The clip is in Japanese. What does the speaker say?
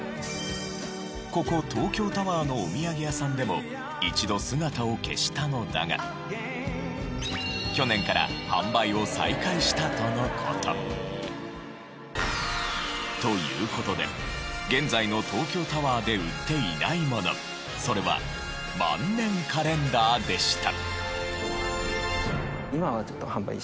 ここ東京タワーのおみやげ屋さんでも一度姿を消したのだが。という事で現在の東京タワーで売っていないものそれは万年カレンダーでした。